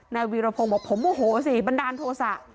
นายวีรพงศ์บอกผมโมโหสิบันดาลโทษะ